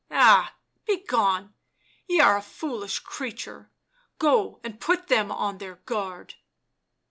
" Ah, begone, ye are a foolish creature— go and put them on their guard.